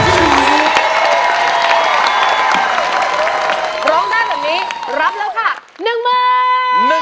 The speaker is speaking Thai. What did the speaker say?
ตอนนี้รับแล้วค่ะ๑๐๐๐บาท